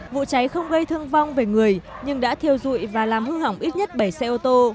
vụ cháy không gây thương vong về người nhưng đã thiêu dụi và làm hư hỏng ít nhất bảy xe ô tô